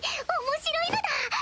面白いのだ！